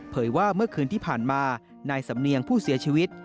ว่าเมื่อคืนที่ผ่านมานายสำเนียงผู้เสียชีวิต